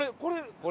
これ。